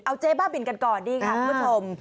เอาเจ๊บ้าบินกันก่อนนี่ค่ะคุณผู้ชม